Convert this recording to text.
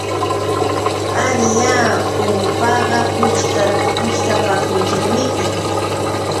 Ariyá urqupaqa puchukapakunchikmiki.